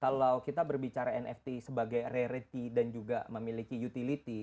kalau kita berbicara nft sebagai reality dan juga memiliki utility